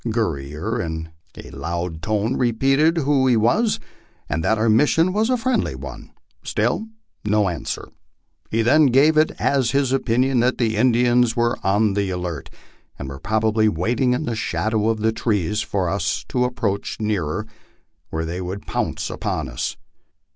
Gurrier in a loud tone repeated who he was, and that our mission was a friendly one. Still no answer. He then gave it as his opinion that the Indians were on the alert, and were probably waiting in the shadow of the trees for us to approach near er, when they would pounce upon us.